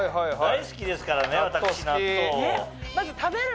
大好きですからね私納豆。